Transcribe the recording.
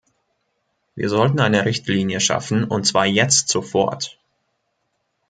Wir sollten eine Richtlinie schaffen und zwar jetzt sofort.